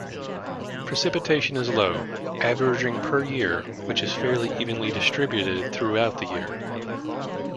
Precipitation is low, averaging per year, which is fairly evenly distributed throughout the year.